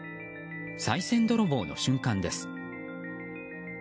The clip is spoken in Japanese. さい銭泥棒の瞬間です。